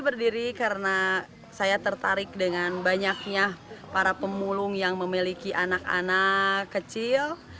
berdiri karena saya tertarik dengan banyaknya para pemulung yang memiliki anak anak kecil